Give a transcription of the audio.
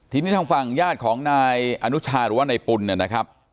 ทีนี้ทางฝั่งญาติของนายอนุชาหรือว่านายปุ่นเนี่ยนะครับ